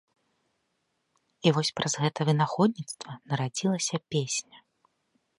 І вось праз гэта вынаходніцтва нарадзілася песня.